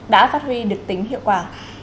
đã phát huy được tính hiệu quả